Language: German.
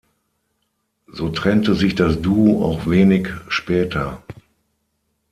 So trennte sich das Duo auch wenig später.